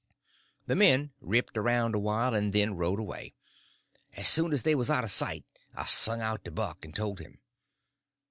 The men ripped around awhile, and then rode away. As soon as they was out of sight I sung out to Buck and told him.